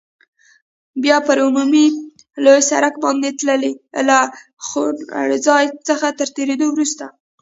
بیا پر عمومي لوی سړک باندې تللې، له خوړنځای څخه تر تېرېدو وروسته.